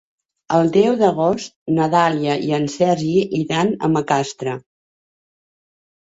El deu d'agost na Dàlia i en Sergi iran a Macastre.